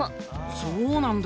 そうなんだ。